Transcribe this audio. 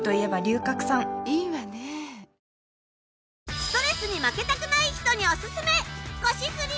ストレスに負けたくない人におすすめ！